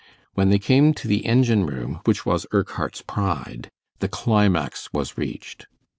When they came to the engine room, which was Urquhart's pride, the climax was reached.